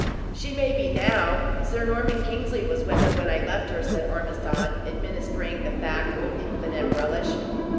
"She may be, now. Sir Norman Kingsley was with her when I left her," said Ormiston, administering the fact with infinite relish.